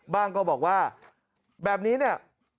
บางคนก็บอกว่าแบบนี้เนี่ย